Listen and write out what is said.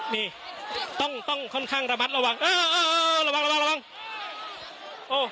นี่ต้องต้องค่อนข้างระมัดระวังเออเออระวังระวังระวังระวังโอ้